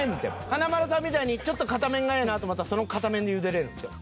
華丸さんみたいにちょっと硬麺がええなと思ったらその硬麺で茹でれるんですよ